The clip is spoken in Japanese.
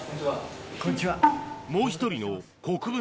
こんにちは。